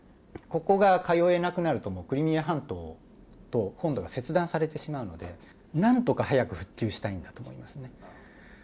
ここが通えなくなると、もうクリミア半島と本土が切断されてしまうので、なんとか早く復旧したいんだと思いますね。